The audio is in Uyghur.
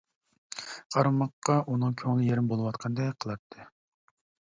قارىماققا ئۇنىڭ كۆڭلى يېرىم بولۇۋاتقاندەك قىلاتتى.